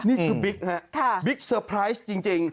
นี่คือบิ๊กฮะบิ๊กเซอร์ไพรส์จริง